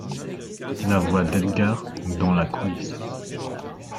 La voix d’Edgard , dans la coulisse.